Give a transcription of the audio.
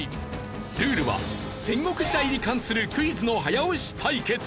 ルールは戦国時代に関するクイズの早押し対決。